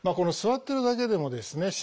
座ってるだけでもですね